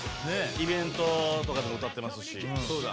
イベントとかでも歌ってますしそうだ